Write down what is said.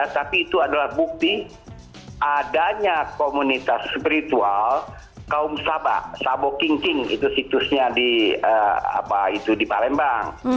tapi itu adalah bukti adanya komunitas spiritual kaum saba sabo kingking itu situsnya di palembang